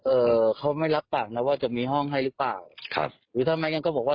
เอ่อเขาไม่รับปากนะว่าจะมีห้องให้หรือเปล่าครับหรือถ้าแม่ยังก็บอกว่า